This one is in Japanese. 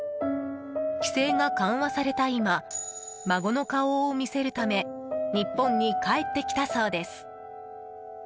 規制が緩和された今孫の顔を見せるため日本に帰ってきたそうです。